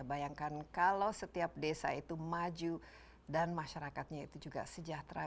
bayangkan kalau setiap desa itu maju dan masyarakatnya itu juga sejahtera